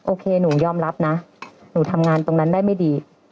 โอเคหนูยอมรับนะหนูทำงานตรงนั้นได้ไม่ดี